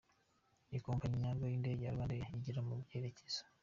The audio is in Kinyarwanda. Ikompanyi yarwo y’indege, RwandAir, igera mu byerekezo